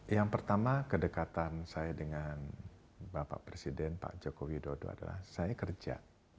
yang pertama kedekatan saya dengan bapak presiden pak joko widodo adalah saya kerja